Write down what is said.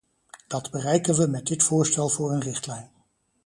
Dat bereiken we met dit voorstel voor een richtlijn.